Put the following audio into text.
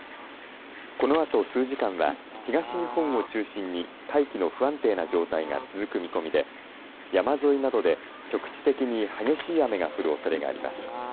このあと数時間は東日本を中心に大気の不安定な状態が続く見込みで山沿いなどで局地的に激しい雨が降るおそれがあります。